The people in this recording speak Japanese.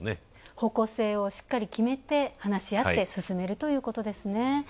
方向性をしっかり決めて話し合って進めるということです。